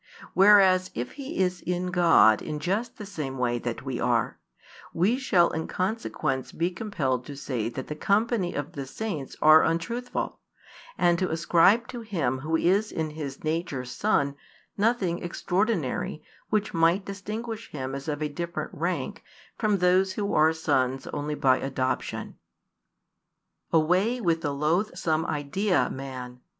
Whereas if He is in God in just the same way that we are, we shall in consequence be compelled to say that the 3ompany of the saints are untruthful, and to ascribe to Him Who is in His nature Son nothing extraordinary which might distinguish Him as of a different rank from those who are sons only by adoption. Away with the loathsome idea, man!